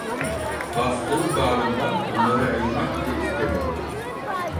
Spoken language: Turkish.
Bastığı bağrından bunları ayırmak bile istemiyordu.